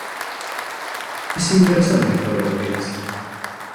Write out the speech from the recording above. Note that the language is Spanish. Es interesante todo lo que dice.